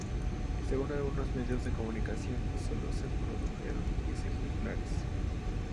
Según algunos medios de comunicación, sólo se produjeron diez ejemplares.